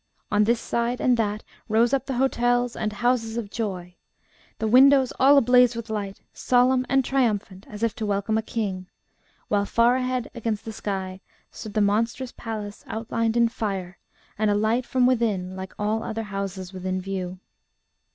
On this side and that rose up the hotels and "Houses of Joy," the windows all ablaze with light, solemn and triumphant as if to welcome a king; while far ahead against the sky stood the monstrous palace outlined in fire, and alight from within like all other houses within view.